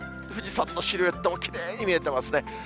富士山のシルエットもきれいに見えてますね。